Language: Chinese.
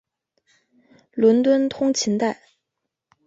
伦敦通勤带。